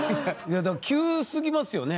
急すぎますよね？